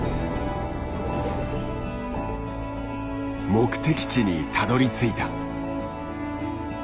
目的地にたどりついた。